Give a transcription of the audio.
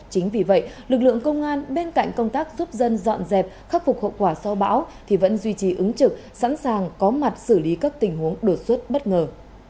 chính vì vậy lực lượng công an bên cạnh công tác giúp dân dọn dẹp khắc phục hậu quả sau bão thì vẫn duy trì ứng trực sẵn sàng có mặt xử lý các tình huống đột xuất bất ngờ